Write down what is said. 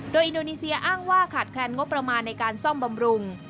โดยอินโดนีเซียอ้างว่าขาดแคลนงบประมาณในการซ่อมบำรุง